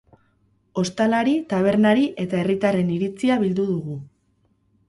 Ostalari, tabernari eta herritarren iritzia bildu dugu.